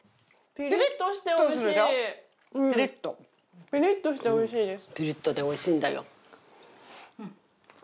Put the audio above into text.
ピリッとでおいしいんだよ。